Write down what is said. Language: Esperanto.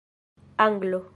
anglo